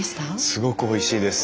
すごくおいしいです。